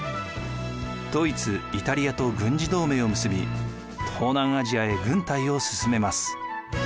ドイツイタリアと軍事同盟を結び東南アジアへ軍隊を進めます。